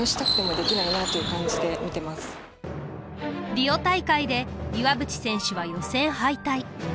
リオ大会で岩渕選手は予選敗退。